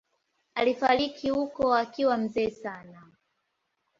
Alifariki huko akiwa mzee sana.